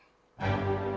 dan gua yakin